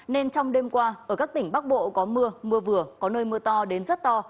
nên trong đêm qua ở các tỉnh bắc bộ có mưa mưa vừa có nơi mưa to đến rất to